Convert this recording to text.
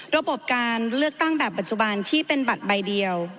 ระบบการเลือกตั้งแบบปัจจุบันที่เป็นบัตรใบเดียว